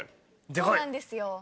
そうなんですよ。